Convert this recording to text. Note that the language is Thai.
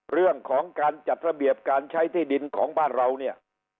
เรื่องของการจัดระเบียบการใช้ที่ดินของบ้านเราเนี่ย